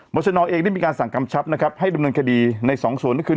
ชนเองได้มีการสั่งกำชับนะครับให้ดำเนินคดีในสองส่วนก็คือ